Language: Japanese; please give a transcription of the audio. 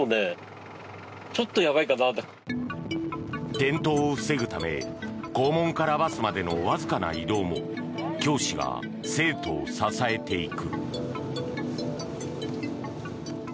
転倒を防ぐため校門からバスまでのわずかな移動も教師が生徒を支えていく。